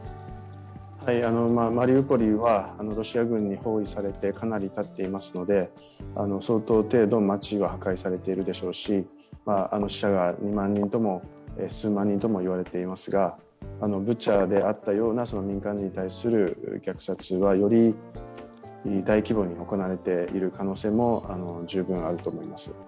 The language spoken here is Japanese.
マリウポリはロシア軍に包囲されてかなりたっていますので相当程度、街は破壊されてるでしょうし死者が２万人とも数万人ともいわれていますがブチャであったような民間人に対する虐殺はより大規模に行われている可能性も十分あると思います。